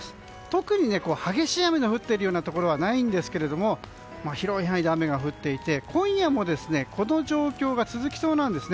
特に激しい雨が降っているところはないんですが広い範囲で雨が降っていて今夜もこの状況が続きそうなんです。